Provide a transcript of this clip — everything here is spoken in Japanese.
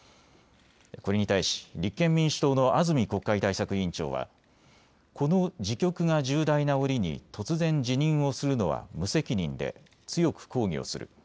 これに対し立憲民主党の安住国会対策委員長はこの時局が重大な折に突然、辞任をするのは無責任で強く抗議をする。